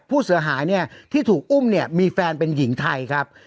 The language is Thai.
ผู้เสียหายเนี่ยที่ถูกอุ้มเนี่ยมีแฟนเป็นหญิงไทยครับ